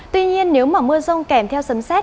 tuy nhiên nếu mà mưa rông kèm theo sấm xét